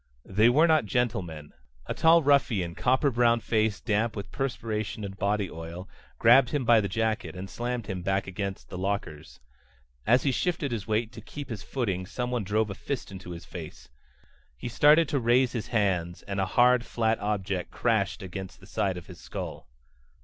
They were not gentle men. A tall ruffian, copper brown face damp with perspiration and body oil, grabbed him by the jacket and slammed him back against the lockers. As he shifted his weight to keep his footing someone drove a fist into his face. He started to raise his hands; and a hard flat object crashed against the side of his skull.